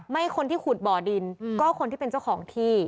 คนที่ขุดบ่อดินก็คนที่เป็นเจ้าของที่